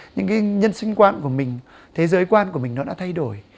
những cái nhân sinh quan của mình thế giới quan của mình nó đã thay đổi